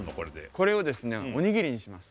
これをですねおにぎりにします